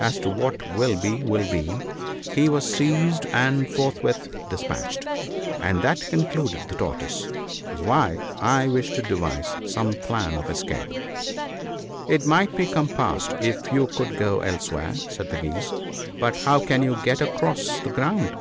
As to What will be will be, he was seized and forthwith de spatched. And that," concluded the Tortoise, " is why I wish to devise some plan of escape." " It might be compassed if you could go elsewhere," said the Geese, "but how can you get across the ground?"